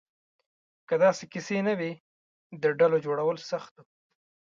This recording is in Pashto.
که داسې کیسې نه وې، د ډلو جوړول سخت وو.